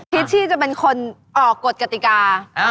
ชชี่จะเป็นคนออกกฎกติกา